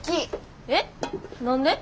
えっ何で？